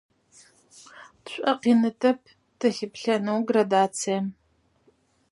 Нам также нетрудно будет наблюдать эту градацию.